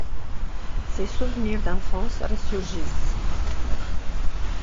Ses souvenirs d'enfance ressurgissent.